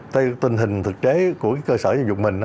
tình hình thực chế của cơ sở dân dục mình